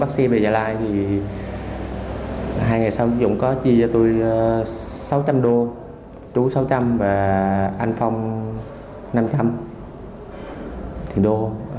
sau khi bắt xe về nhà lai hai ngày sau dũng có chia cho tôi sáu trăm linh đô chú sáu trăm linh và anh phong năm trăm linh thỉnh đô